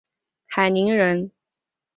海宁人。